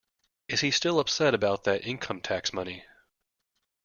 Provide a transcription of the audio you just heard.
Is he still upset about that income-tax money?